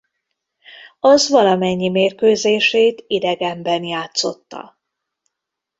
Az valamennyi mérkőzését idegenben játszotta.